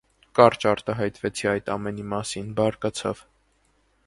Կարճ արտահայտվեցի այդ ամենի մասին՝ բարկացավ։